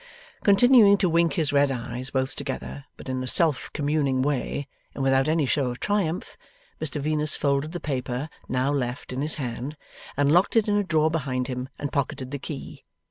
Continuing to wink his red eyes both together but in a self communing way, and without any show of triumph Mr Venus folded the paper now left in his hand, and locked it in a drawer behind him, and pocketed the key.